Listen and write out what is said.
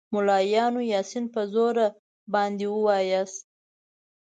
ملایانو یاسین په زوره باندې ووایاست.